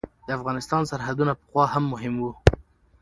د افغانستان سرحدونه پخوا هم مهم وو.